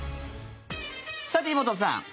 さて、井本さん